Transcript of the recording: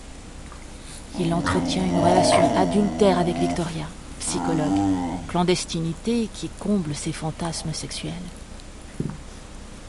Il entretient une relation adultère avec Victoria, psychologue, clandestinité qui comble ses fantasmes sexuels.